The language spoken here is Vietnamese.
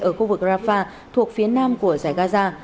ở khu vực rafah thuộc phía nam của giải gaza